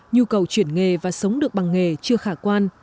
nhu cầu chuyển nghề và sống được bằng nghề chưa khả quan